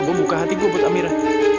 gue buka hati gue buat amira